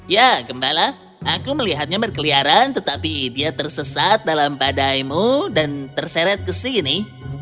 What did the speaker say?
ya gembala aku melihatnya berkeliaran tetapi dia tersesat dalam badaimu dan terseret ke sini